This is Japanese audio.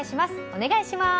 お願いします。